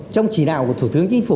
trong chỉ đạo của thủ tướng chính phủ